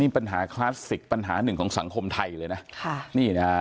ปัญหาคลาสสิกปัญหาหนึ่งของสังคมไทยเลยนะค่ะนี่นะฮะ